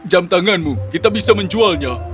jam tanganmu kita bisa menjualnya